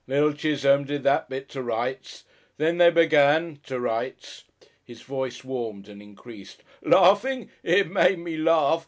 Little Chisholme did that bit to rights. Then they began to rights." His voice warmed and increased. "Laughing! It made me laugh!